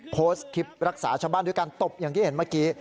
โพสต์คลิปรักษาชาวบ้านด้วยการตบอย่างที่เห็นเมื่อกี้